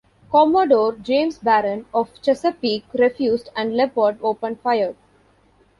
Commodore James Barron of "Chesapeake" refused and "Leopard" opened fire.